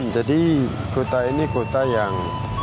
jadi kota ini kota yang